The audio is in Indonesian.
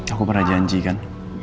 aku pernah janji kan